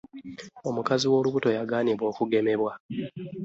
omukazi w'olubuto yagaanibwa okugemebwa.